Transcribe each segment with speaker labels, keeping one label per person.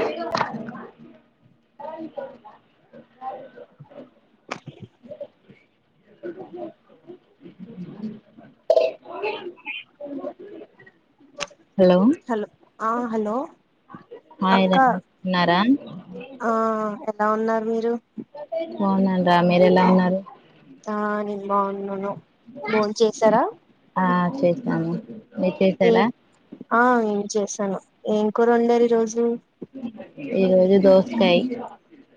Speaker 1: ఇ
Speaker 2: hello ఆ hello
Speaker 1: hi
Speaker 2: అక్క
Speaker 1: రా ఉన్నారా
Speaker 2: ఆ ఎలా ఉన్నారు మీరు
Speaker 1: బాగున్నాను రా మీరెలా ఉన్నారు
Speaker 2: ఆ నేను బాగున్నాను బోం చేసారా
Speaker 1: చేశాము
Speaker 2: ఏం ఆ ఏం చేసాను ఏం కూర వండారు ఈరోజు
Speaker 1: ఈరోజు దోసకాయ్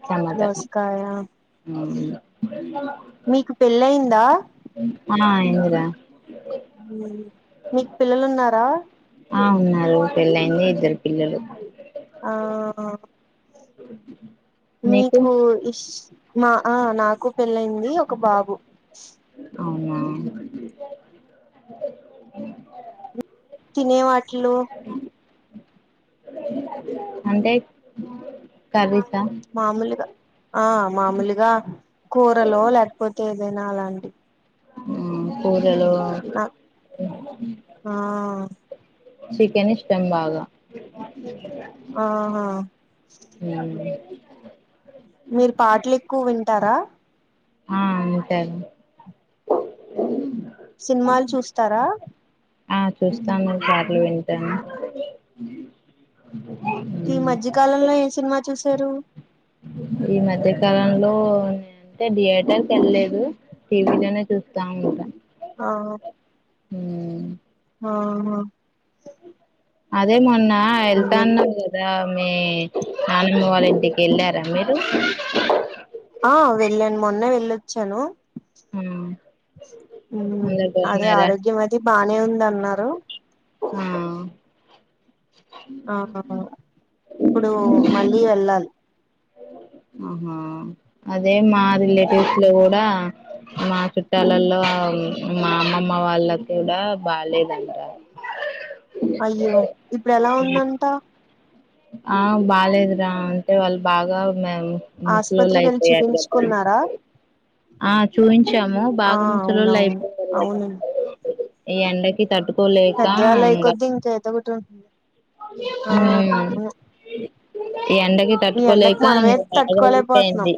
Speaker 1: టమాట
Speaker 2: దోసకాయ
Speaker 1: ఉమ్మ్
Speaker 2: మీకు పెళ్ళయిందా
Speaker 1: ఆ అయ్యిందిరా
Speaker 2: ఉమ్మ్ మీకు పిల్లలు ఉన్నారా
Speaker 1: ఆ ఉన్నారు పెళ్ళయింది ఇద్దరు పిల్లలు
Speaker 2: ఆ మీకు ఇష్ మా ఆ నాకు పెళ్ళైంది ఒక బాబు
Speaker 1: అవునా
Speaker 2: తినే వాటిలో
Speaker 1: అంటే కర్రీస్
Speaker 2: మామూలుగా ఆ మామూలుగా కూరలో లేకపోతే ఎదైనా అలాంటి
Speaker 1: ఉమ్మ్ కూరలో
Speaker 2: నా ఆ
Speaker 1: చికెన్ ఇష్టం బాగా
Speaker 2: ఆహా మీరు పాటలు ఎక్కువ వింటారా
Speaker 1: ఆా అంతే అని
Speaker 2: సినిమాలు చూస్తారా
Speaker 1: ఆ చూస్తాను పాటలు వింటాను
Speaker 2: ఈ మధ్యకాలంలో ఏం సినిమా చూసారు
Speaker 1: ఈ మధ్యకాలంలో అంటే థియేటర్కి వెళ్లేదు టీవీ లోనే చూస్తా ఉంట
Speaker 2: ఆ
Speaker 1: హ్మ్మ్
Speaker 2: అహా
Speaker 1: అదే మొన్న
Speaker 2: అదే
Speaker 1: వెళ్తాన్నావు కదా మీ నానమ్మ వాళ్ళ ఇంటి టికి ఎల్లారా మీరు
Speaker 2: ఆ వెళ్ళాను మొన్న వెళ్ళొచ్చాను
Speaker 1: ఆ
Speaker 2: హ్మ్మ్
Speaker 1: అందరు
Speaker 2: అదే
Speaker 1: బాగున్నారా
Speaker 2: ఆరోగ్యం అది బానే ఉంది అన్నారు
Speaker 1: ఆ
Speaker 2: ఆ ఇప్పుడు మళ్ళీ వెళ్ళాలి
Speaker 1: ఆహా అదే మా రిలేటివ్స్ లో కూడా మా చుట్టాలలో మా అమ్మమ్మ వాళ్ళ కూడా బాగాలేదంటా
Speaker 2: అయ్యో ఇప్పుడు ఎలా ఉందంట
Speaker 1: ఆ బాలేదరా అంటే వాళ్ళు బాగా ఆ ముసలొల్లు
Speaker 2: ఆసుపత్రికి వెళ్ళి
Speaker 1: అయిపోయారు కాదా
Speaker 2: చూపించుకున్నారా
Speaker 1: ఆ చూయిించ కొంచము
Speaker 2: ఆ
Speaker 1: బాగా ముసలొల్లు
Speaker 2: అవునవును
Speaker 1: అయిపోారు కదా
Speaker 2: అవును
Speaker 1: ఈ ఎండకి తటు పోలేకా
Speaker 2: పెద్దవాళ్ళు అయి
Speaker 1: హుమ్మ్
Speaker 2: కొద్ది ఇంకా ఏదో ఒకటి ఉంటుంది ఆ
Speaker 1: హ్మ్మ్
Speaker 2: అవును
Speaker 1: ఈ ఎండకి
Speaker 2: ఈ ఎండకు
Speaker 1: తట్టుకోలేక
Speaker 2: మనమే
Speaker 1: ఇం బాగా వీక్
Speaker 2: తట్టుకోలేకపోతున్నాం
Speaker 1: అయింది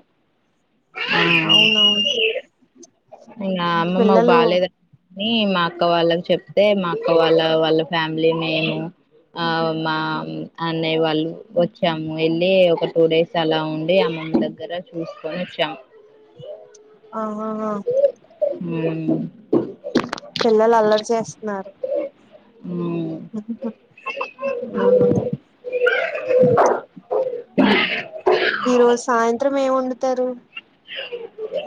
Speaker 1: ఆ
Speaker 2: అవునవును
Speaker 1: ఇంగ అమ్మమ్మకు
Speaker 2: పిల్లలు
Speaker 1: బాలేదా నీ మా అక్క వాళ్ళకి చెప్తే మా అక్క వాళ్ళ వాళ్ళ ఫ్యామిలీ మేము ఆ మా అన్నయ్య వాళ్ళు వచ్చాము వెళ్ళి ఒక టూ డేస్ అలా ఉండి అమ్ మ దగ్గర చూసుకొని వచ్చాం
Speaker 2: ఆ ఆ ఆ
Speaker 1: హ్మ్మ్
Speaker 2: పిల్లలు అల్లరి చేస్తున్నారు
Speaker 1: మ్
Speaker 2: ఆ ఈరోోజు సాయంత్రం ఏం వండుతారు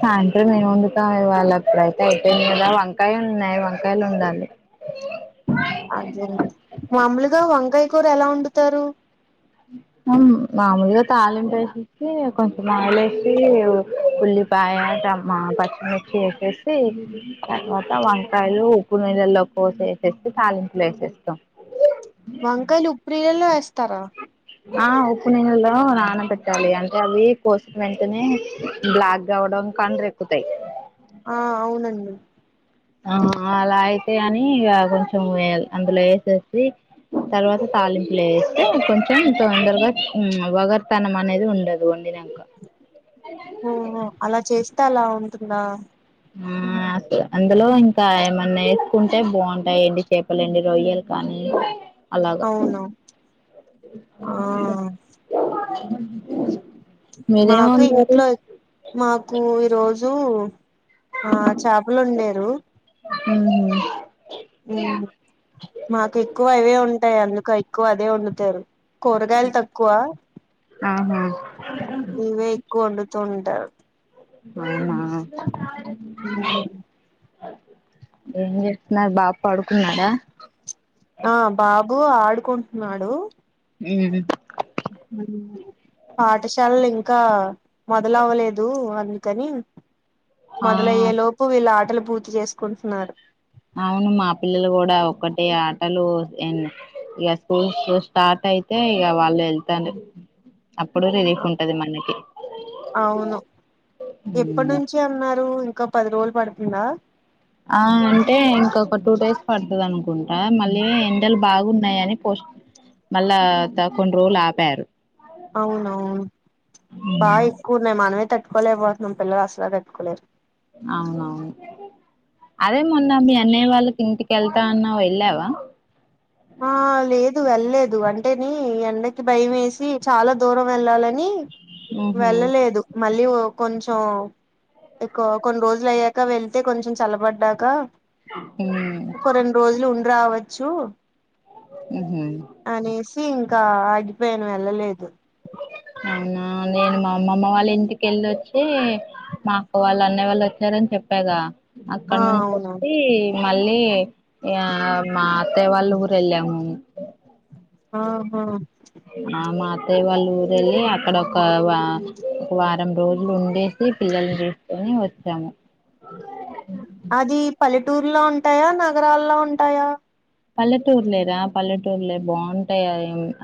Speaker 1: సాయంత్రం ఏం వండుతాం ఇవాళ్ళ ఇప్పుడైతే అయిపోయింది కదా వంకాయలు ఉన్నాయి వంకాయలు వండాలి
Speaker 2: అదే మామూలుగా వంకాయ కూర ఎలా వండుతారు
Speaker 1: మామలుగా తాలింపు వేసేసి కొంచెం ఆయిల్ ఏసీ ఉల్లిపాయ మ్మా పచ్చిమిర్చి యేసేసి తర్వాత వంకాయలు ఉప్పు నీళ్ళల్లో కోసి వేసేసి తాలింపూలో వేసేస్తాం
Speaker 2: వంకాయలు ఉప్పునీళ్ళల్లో ఏస్తారా
Speaker 1: ఆ ఉప్పు నీళ్ళలో నాన పెట్టాలి అంటే అవి కోసిన వెంటనే బ్లాక్గా ఉ కన్రెక్కుతయి
Speaker 2: ఆ అవునండి
Speaker 1: ఆ అలా అయితే అని ఇగ కొంచెం అందులో ఏసేసి తర్వాత తాలింపులు ఏస్తే కొంచెం తొందరగా వగర్ తనం అనేది ఉండదు వండిన
Speaker 2: ఓహో అలా చేస్తే అలా ఉంటుందా
Speaker 1: ఆ అందులో ఇంకా ఏమన్నా ఏసుకుంటే బోంటాయండి చేపలు ఎండు రొయ్యలు కానీ అలాగ
Speaker 2: అవును ఆ మాకు ఇంట్లో మాకు ఈ రోజూ ఆ చేపలు ఒండేరు
Speaker 1: మ్మ్ హ్మ్
Speaker 2: మాక్కెక్కువ అవే ఉంటాయ్ అందుకే ఎక్కువ అదే ఒండుతారు కూరగాయలు తక్కువ
Speaker 1: ఆహా
Speaker 2: ఇవే ఎక్కుఒండుతుంటారు
Speaker 1: అవునా
Speaker 2: ఉమ్
Speaker 1: ఏం జేస్తున్నారు బాబు పడుకున్నాడా
Speaker 2: ఆ బాబు ఆడుకుంటున్నాడు
Speaker 1: మ్మ్
Speaker 2: పాఠశాలలు ఇంకా మొదలవ్వలేదు అందుకని
Speaker 1: ఆ
Speaker 2: మొదలయ్యేలోపు వీళ్ళ ఆటలు పూర్తి చేసుకుంటున్నారు.
Speaker 1: అవును మా పిల్లలు గూడా ఒక్కటే ఆటలు ఎన్ ఇగ స్కూల్స్ స్టార్ట్ అయితే ఇగ వాళ్ళు వెళ్తారు అప్పుడు రిలీఫ్ ఉంటది మనకి
Speaker 2: అవును
Speaker 1: ఉమ్.
Speaker 2: ఎప్పడ్నుంచి అన్నారు ఇంకా పది రోజులు పడుతుందా
Speaker 1: ఆ అంటే ఇంకొక టూ డేస్ పడుతది అనుకుంటా మళ్ళీ ఎండలు బాగున్నాయని పోస్ట్ మళ్ళా త కొన్ని రోలు ఆపారు
Speaker 2: అవునవును బా ఎక్కువున్నయ్ మానమే త కొలే పోతున్నాం పిల్లలు అసలే తట్టుకోలేరు
Speaker 1: అవునవును అదే మొన్న మీ అన్నయ్య వాళ్ళకి ఇంటికెళ్తా అన్నావ్ ఎళ్ళావా
Speaker 2: ఆ ఆ లేదు వెళ్ళేదు అంటేనీ ఎండకి భయం వేసి చాలా దూరం ఎళ్లాలని
Speaker 1: ఉహు
Speaker 2: వెళ్ళలేదు మళ్ళీ వో కొంచం ఎక్కువ కొన్ రోజులు అయ్యాక వెళ్తే కొంచెం చల్లబడ్డాక
Speaker 1: మ్మ్
Speaker 2: ఒక రెండు రోజులు ఉండి రావచ్చు
Speaker 1: మ్మ్ హ్మ్
Speaker 2: అనేసి ఇంకా ఆగిపోయిన వెళ్ళలేదు
Speaker 1: అవునా నేను మా అమ్మమ్మ వాళ్ళ ఇంటికెళ్ళోచ్చి మాఅక్క వాళ్ళు అన్నయ్య వాళ్ళు వచ్చారని చెప్ కదా అక్కడ
Speaker 2: ఆ
Speaker 1: నుంచి
Speaker 2: అవును
Speaker 1: ఒచ్చి మళ్ళీ ఆ మా అత్తయ్య వాళ్ళ ఊరేళ్ళాము
Speaker 2: ఆహా
Speaker 1: ఆ మా అతయ్య వాళ్ళ ఊరేళ్ళి అక్కడ ఒక వా వారం రోజులు ఉండేసి పిల్లల్ని తీసుకొని వచ్చాము
Speaker 2: అ టూర్లో ఉంటాయా నగరాల్లో ఉంటాయా
Speaker 1: పల్లెటూర్లేరా పల్లెటూర్లే బావుంటాయి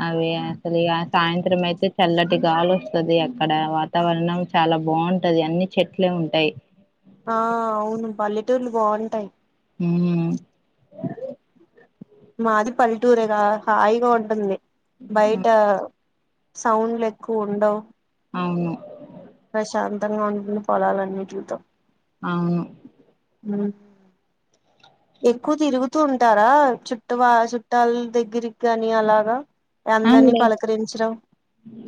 Speaker 1: అవి అసలు ఇగ సాయంత్రం అయితే చల్లటి గాలి వస్తది అక్కడ వాతావరణం చాలా బాగుంటది అన్ని చెట్లే ఉంటాయి
Speaker 2: ఆ అవును పల్లెటూర్లు బాగుంటాయి
Speaker 1: ఉమ్
Speaker 2: మాది పల్లెటూరేరా హాయిగా ఉంటుంది బయట సౌండ్లు ఎక్కువ ఉండవు
Speaker 1: అవును
Speaker 2: ప్రశాంతంగా ఉంటుంది పొలాలన్నీ చూద్దాం
Speaker 1: అవును
Speaker 2: అ ఎక్కువ తిరుగుతూ ఉంటారా చుట్ట చుట్టాల దగ్గరికి కాని అలాగా
Speaker 1: అ
Speaker 2: అందరినీ
Speaker 1: లే
Speaker 2: పలకరించడం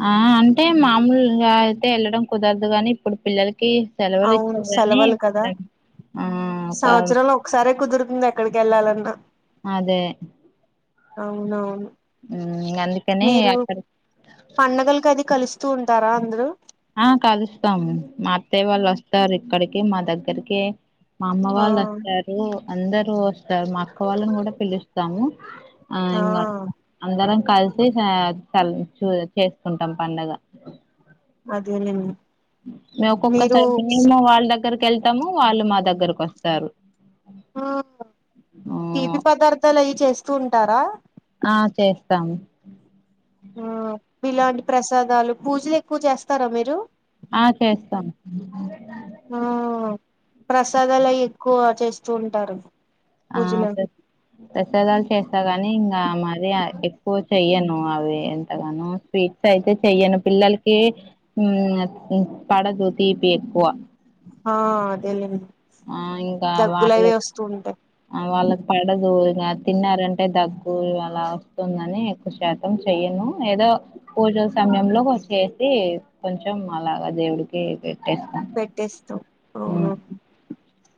Speaker 1: ఆ అంటే మామూలుగా అయితే వెళ్ళడం కుదరదు గాని ఇప్పుడు పిల్లలకి సెలవులు
Speaker 2: అవును
Speaker 1: ఇచ్చిరని
Speaker 2: సెలవులు కదా సంవత్సరంలో ఒకసారే కుదురుతుంది ఎక్కడికి కేళ్ళాలన్నా
Speaker 1: అదే
Speaker 2: అవునవును
Speaker 1: మ్, అందుకని
Speaker 2: మీరు
Speaker 1: అక్కడ
Speaker 2: పండగలకు అది కలిసి స్తు ఉంటారా అందరు
Speaker 1: ఆ కలుస్తాము మా అత్తయ్య వాళ్ళు వస్తారు ఇక్కడికి మా దగ్గరికి మా అమ్మ
Speaker 2: ఆ
Speaker 1: వాళ్ళు వస్తారు అందరు వస్తారు మా అక్క వాళ్ళని కూడా పిలుస్తాము ఆ ఇంగా అందరం కలిసి చ చూ చేసుకుంటాం పండగ
Speaker 2: అదేలెండి
Speaker 1: మేము ఒక్కొక్కసారి మేమువాళ్ళ దగ్గరకి వెళ్తాము వాళ్ళు మా దగ్గరకు వస్తారు
Speaker 2: ఆ తీపి పదార్థాలు అయి చేస్తూ ఉంటారా
Speaker 1: ఆ చేస్తాము
Speaker 2: ఆ ఇలాంటి ప్రసాదాలు పూజలు ఎక్కువ చేస్తారా మీరు
Speaker 1: ఆ చేస్తాము
Speaker 2: ఆ ప్రసాదాలు అయి ఎక్కువ చేస్తూ ఉంటారు
Speaker 1: ఆ
Speaker 2: పూజలు
Speaker 1: ప్ర ప్రసాదాలు చే స్తగాని ఇంగా మరి ఎక్కువ చెయ్యను అవి ఎంతగానో స్వీట్స్ అయితే చెయ్యను పిల్లలకి పడదు తిపి ఎక్కువ
Speaker 2: ఆ అదేలేండి
Speaker 1: ఆ ఇంకా
Speaker 2: దగ్గులు
Speaker 1: వాటి
Speaker 2: అవి
Speaker 1: లోకి
Speaker 2: వస్తూ ఉంటాయి
Speaker 1: ఆ వాళ్ళకు పడదు ఇన తిన్నారంటే దగ్గు అలా వస్తుందని ఎక్కువ శాతం చెయ్యను ఏదో తో పూజల సమయంలో చేసి కొంచెం అలాగా దేవుడికి పె
Speaker 2: పెట్టేస్తం ఓ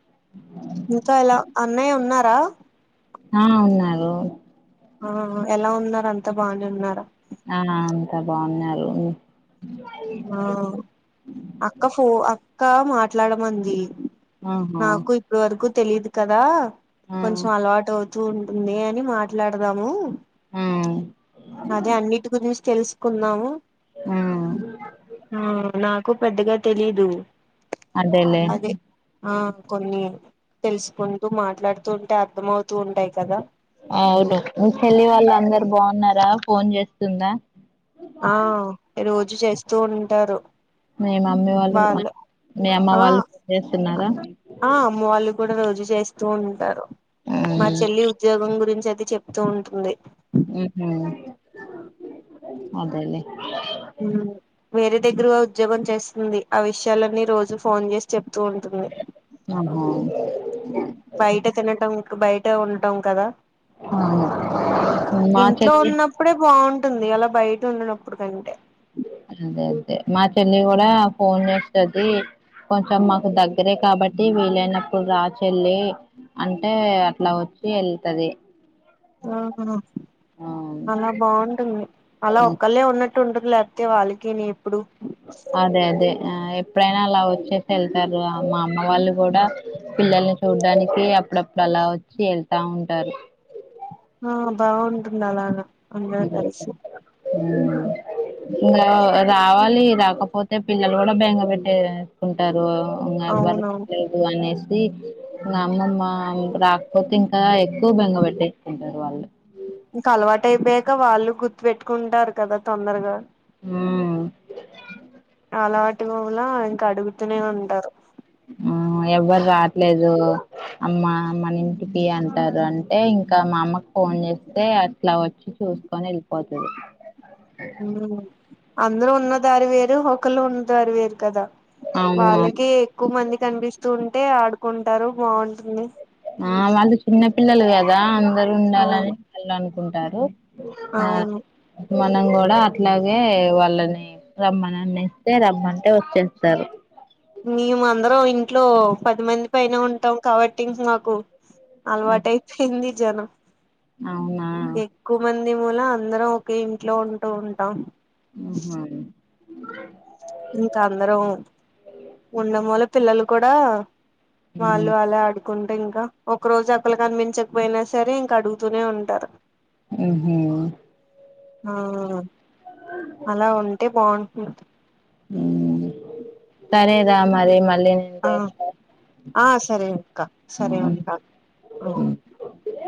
Speaker 1: అ
Speaker 2: ఇంకా ఇలా అన్నయ్య ఉన్నారా
Speaker 1: ఆ ఉన్నారు
Speaker 2: ఆ ఎలా ఉన్నారు అంతా బాగానే ఉన్నార
Speaker 1: నానా అంతా బాగున్నారు
Speaker 2: ఆ అక్క ఫో అక్క మాట్లాడమంది
Speaker 1: ఆహా
Speaker 2: నాకు ఇప్పుడు వరకు తెలిదు కదా
Speaker 1: ఆ
Speaker 2: కొంచెం అలవాటు అవు వస్తూ ఉంటుంది అని మాట్లాడదాము
Speaker 1: ఆ
Speaker 2: అదే అన్నిటి గురించి తెలుసుకుందాము
Speaker 1: ఆ
Speaker 2: ఆ నాకు పెద్దగా తెలీదు
Speaker 1: అదేలే
Speaker 2: అదే ఆ కొన్ని తెలుసుకుంటూ మాట్లాడుతూ ఉంటే అర్థమవుతూ ఉంటాయి కదా
Speaker 1: అవును మీ చెల్లి వాళ్ళు అందరు బాగున్నారా ఫోన్ చేస్తుందా
Speaker 2: ఆ రోజు చేస్తూ ఉంటారు
Speaker 1: మే మమ్మీ వాళ్ళు మీ అమ్మ
Speaker 2: ఆ
Speaker 1: వాళ్ళు ఫోన్ చేస్తున్నారా
Speaker 2: ఆ అమ్మ వాళ్ళు కూడా రోజు చేస్తూ ఉంటారు మా
Speaker 1: ఉమ్,
Speaker 2: చెల్లి ఉద్యోగం గురించి అది చెప్తూ ఉంటుంది
Speaker 1: ఉహు అదేలే
Speaker 2: వేరే దగ్గరగా ఉద్యోగం చేస్తుంది ఆ విషయాలన్నీ రోజు ఫోన్ చేసి చెప్ తుంటుంది
Speaker 1: ఆహా
Speaker 2: బయట తినటం బయట ఉండటం కదా
Speaker 1: అవును మా
Speaker 2: ఇంట్లో
Speaker 1: చెల్లి
Speaker 2: ఉన్నప్పుడే బాగుంటు టుంది అలా బయట ఉండినప్పుడు కంటే
Speaker 1: అదే అదే మా చెల్లి కూడా ఫోన్ చేస్తది కొంచెం మాకు దగ్గరే కాబట్టి వీలైనప్పుడు రాచెల్లి అంటే అట్లా వచ్చి వెళ్తుది
Speaker 2: ఆహ అలా బాగుంటుంది అలా ఒక్కళ్ళ ఉన్నట్టు అట్ ఉండలేతే వాళ్ళకి ని ఇప్పుడు
Speaker 1: అదే అదే ఆ ఎప్పుడైనా అలా వచ్చేసి వెళ్తారు మా అమ్మ వాళ్ళు కూడా పిల్లల్ని చూడ్డానికి అప్పుడప్పుడు అలా వచ్చి వెళ్తా ఉంటారు
Speaker 2: ఆ బాగుంటుంది అలాగా అందరూ కలిసి
Speaker 1: ఉ ఇంకా రావాలి రాకపోతే పిల్లలు కూడా బెంగ పెట్టేసుకుంటారు లో నెవెర్
Speaker 2: అవునవును
Speaker 1: స్టారైట్ గాని మా అమ్మమ్మ రాకపోతే ఇంకా ఎక్కువ బెంగ పెట్టేస్కుంటారు వాళ్ళు
Speaker 2: ఇంక అలవాటు అయిపోయాక వాళ్ళు గుర్తు పెట్టుకుంటారు కదా తొందరగా
Speaker 1: ఉమ్మ్మ్
Speaker 2: అలవాటుగా ఉన్న ఇంక అడుగుతూనే ఉంటారు
Speaker 1: ఆ ఎవ్వరు రాట్లేదు అమ్మ మన ఇంటికి అంటారు అంటే ఇంకా మా అమ్మకు ఫోన్ చేస్తే అట్లా వచ్చి చూ చూసుకొని వెళ్ళిపోతది
Speaker 2: హ్మ్ అందరూ ఉన్న దారి వేరు ఒకళు ఉన్న దారి వేరు కదా
Speaker 1: అవును
Speaker 2: వాళ్ళకి ఎక్కువ మంది కనిపిస్తూ ఉంటే ఆడుకుంటారు బొంటుంది
Speaker 1: ఆ వాళ్ళు చిన్న పిల్లలు కదా అందరు ఉండాలని
Speaker 2: అవును
Speaker 1: వాళ్ళు అనుకుంటారు ఆ
Speaker 2: అవును
Speaker 1: మనం కూడా అట్లాగే వాళ్ళని రమ్మని అన్ని ఇస్తే రమ్మంటే వచ్చేస్తారు
Speaker 2: మేము అందరం ఇంట్లో పది మంది పైన ఉంటాం కాబట్టి ఇంక నాకు అలవాటు అయిపోయింది జనం
Speaker 1: అవునా
Speaker 2: ని మూల అందరం ఒక ఇంట్లో ఉంటూ ఉంటాం
Speaker 1: ఆహా
Speaker 2: ఇంకా అందరం ఉండ మూల పిల్లలు కూడా
Speaker 1: మ్మ్
Speaker 2: వాళ్ళు అలా ఆడుకుం ఇంకా ఒక రోజు ఆ పిల్ల కనిపించకపోయినా సరే ఇంకా అడుగుతూనే ఉంటారు
Speaker 1: ఆహ
Speaker 2: ఆ అలా ఉంటే బాగుంటుంది
Speaker 1: సరేదా మరి మళ్ళీ నేను
Speaker 2: ఆ
Speaker 1: చేస్తే
Speaker 2: ఆ సరే అక్క సరే ఉంటా
Speaker 1: ఉ